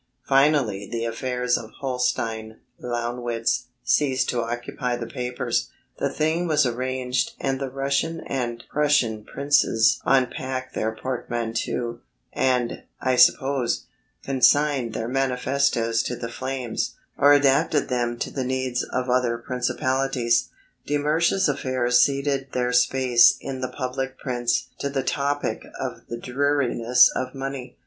Finally the affairs of Holstein Launewitz ceased to occupy the papers the thing was arranged and the Russian and Prussian princes unpacked their portmanteaux, and, I suppose, consigned their manifestos to the flames, or adapted them to the needs of other principalities. De Mersch's affairs ceded their space in the public prints to the topic of the dearness of money.